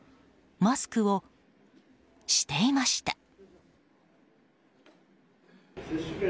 マスクをしていました。